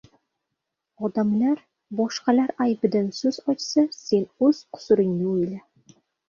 Odamlar boshqalar aybidan so‘z ochsa, sen o‘z qusuringni o‘yla.